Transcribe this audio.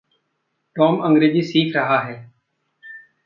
Tom अंग्रेज़ी सीख रहा है।